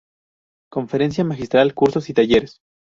Conferencia Magistral, cursos y talleres.